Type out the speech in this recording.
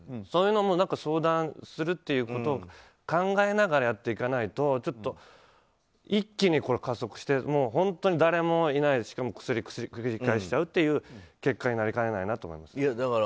そういうのにも相談するっていうことを考えながらやっていかないと一気に加速してもう本当に誰もいない、しかもクスリを繰り返しちゃうという結果になりかねないなと思います。